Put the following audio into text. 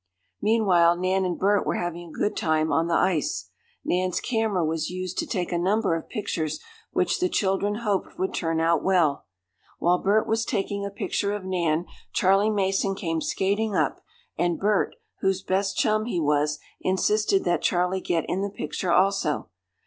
Meanwhile Nan and Bert were having a good time on the ice. Nan's camera was used to take a number of pictures, which the children hoped would turn out well. While Bert was taking a picture of Nan, Charley Mason came skating up, and Bert, whose best chum he was, insisted that Charley get in the picture also.